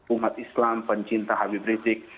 umat islam pencinta habib rizik